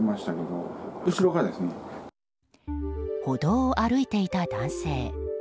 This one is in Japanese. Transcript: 歩道を歩いていた男性。